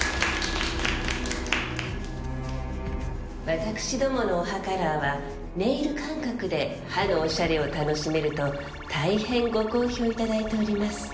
私どものお歯カラーはネイル感覚で歯のおしゃれを楽しめると大変ご好評頂いております。